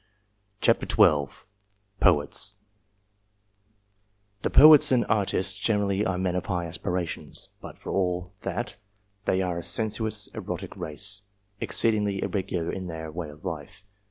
218 TOETS POETS THE Poets and Artists generally are men of high aspi rations, but, for all that, they are a sensuous, erotic race, exceedingly irregular in their way of life.